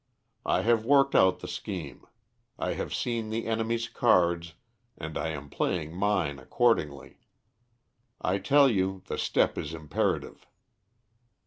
I have worked out the scheme; I have seen the enemy's cards, and I am playing mine accordingly. I tell you the step is imperative."